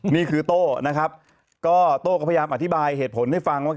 โต้นะครับก็โต้ก็พยายามอธิบายเหตุผลให้ฟังว่า